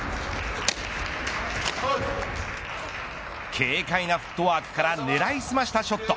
軽快なフットワークから狙いすましたショット。